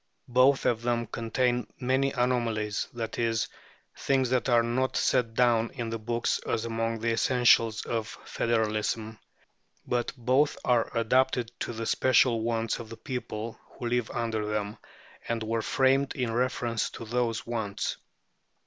Both of them contain many anomalies that is, things that are not set down in the books as among the essentials of federalism. But both are adapted to the special wants of the people who live under them, and were framed in reference to those wants.